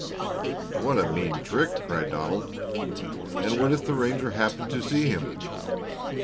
"What a mean trick!" cried Donald. "And what if the ranger happened to see him?"